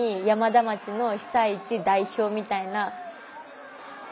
山田町の被災地代表みたいな。